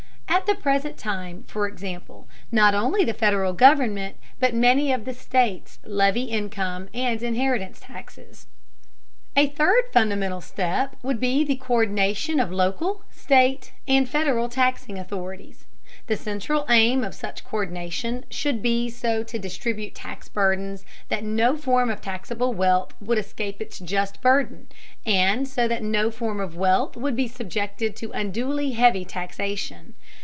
At the present time, for example, not only the Federal government, but many of the states levy income and inheritance taxes. A third fundamental step would be the co÷rdination of local, state, and Federal taxing authorities. The central aim of such co÷rdination should be so to distribute tax burdens that no form of taxable wealth would escape its just burden, and so that no form of wealth would be subjected to unduly heavy taxation.